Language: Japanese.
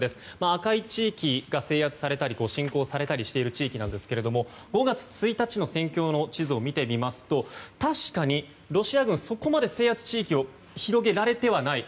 赤い地域が制圧されたり侵攻されたりしている地域ですが５月１日の戦況の地図を見てみますと確かにロシア軍はそこまで制圧地域を広げられていない。